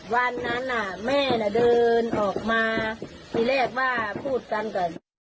วันนั้นแม่น่ะเดินออกมาทีแรกว่าพูดกันก่อน